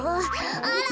あら？